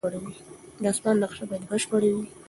د اسمان نقشه باید بشپړه وي.